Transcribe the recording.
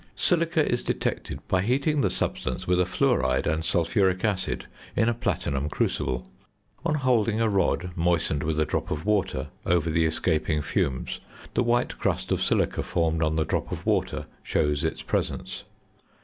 Silica is detected by heating the substance with a fluoride and sulphuric acid in a platinum crucible. On holding a rod, moistened with a drop of water, over the escaping fumes, the white crust of silica formed on the drop of water shows its presence.